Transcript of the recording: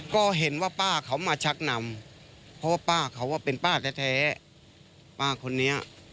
ก็เห็นว่าป้าเขามาชักนำเพราะว่าป้าเขาเป็นป้าแท้ป้าคนนี้